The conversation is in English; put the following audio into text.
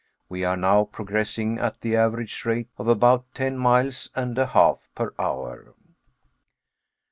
We are now progressing at the average rate of about ten miles and a half per hour.